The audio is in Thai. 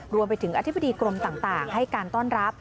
รวมไปถึงอธิบดีกรมต่างให้การต้อนรับ